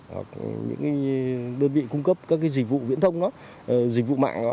hoặc những đơn vị cung cấp các dịch vụ viễn thông dịch vụ mạng